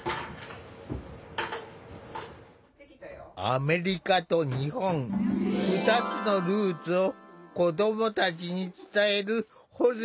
アメリカと日本２つのルーツを子どもたちに伝えるホゼアさん。